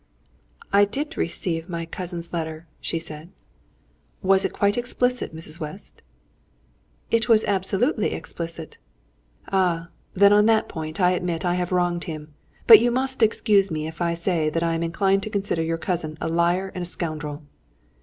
"I did receive my cousin's letter," she said. "Was it quite explicit, Mrs. West?" "It was absolutely explicit." "Ah! Then on that point I admit I have wronged him. But you must excuse me if I say that I am inclined to consider your cousin a liar and a scoundrel."